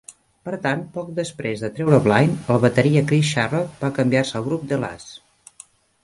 Per tant, poc després de treure "Blind", el bateria Chris Sharrock va canviar-se al grup The La's.